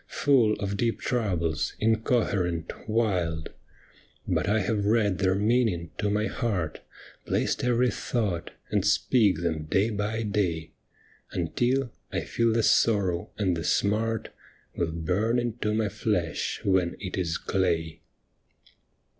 Full of deep troubles, incoherent, wild. But I hav^ read their meaning to my heart, Placed every thought, and speak them day by day. Until I feel the sorrow and the smart Will burn into my flesh when it is clay.